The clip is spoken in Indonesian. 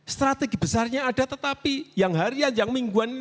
strategi besarnya ada tetapi yang harian yang mingguan